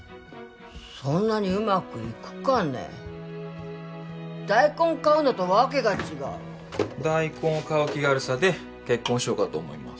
そんなにうまくいくかね大根買うのと訳が違う大根を買う気軽さで結婚しようかと思います